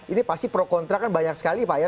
ini pasti pro kontra kan banyak sekali pak ya